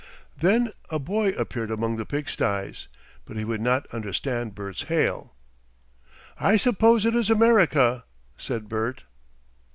Then a boy appeared among the pig stys, but he would not understand Bert's hail. "I suppose it is America!" said Bert.